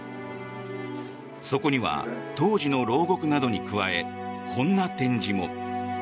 そこには当時の牢獄などに加えこんな展示も。